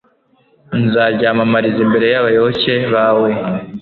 nzaryamamariza imbere y'abayoboke bawe